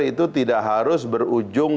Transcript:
itu tidak harus berujung